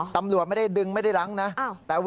ตำรวจไม่ได้ดึงไม่ได้รั้งนะ